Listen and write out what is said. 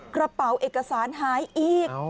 กระเป๋าเอกสารหายอีก